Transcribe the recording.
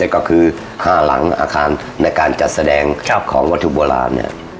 ก็คือ๕หลังอาคารในการจัดแสดงของวัตถุโบราณเนี่ย